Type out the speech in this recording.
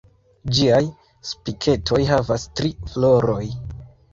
Ĝiaj Spiketoj havas tri floroj.